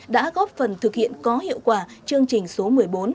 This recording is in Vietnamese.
đã góp phần thực hiện có hiệu quả chương trình số một mươi bốn